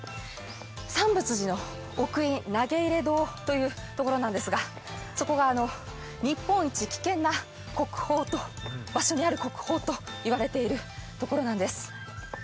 三佛寺の奥院投入堂といところなんですが、そこが日本一危険な場所にある国宝と言われている場所なんです。